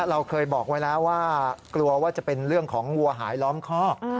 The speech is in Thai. เราเคยบอกไว้แล้วว่ากลัวว่าจะเป็นเรื่องของวัวหายล้อมคอก